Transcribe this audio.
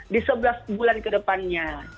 di sebelas bulan kedepannya